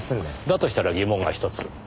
だとしたら疑問がひとつ。